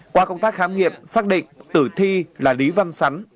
qua công tác khám nghiệm xác định tử thi là lý văn sắn